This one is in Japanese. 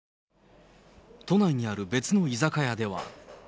都内にある別の居酒屋では。